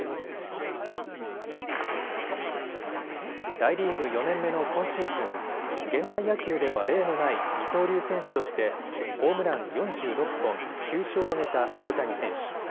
大リーグ４年目の今シーズン、現代野球では例のない二刀流選手としてホームラン４６本、９勝を挙げた大谷選手。